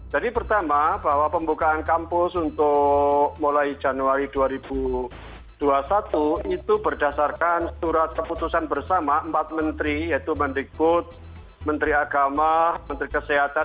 jadi pertama bahwa pembukaan kampus untuk mulai januari dua ribu dua puluh satu itu berdasarkan surat keputusan bersama empat menteri yaitu menteri kut menteri agama menteri kesehatan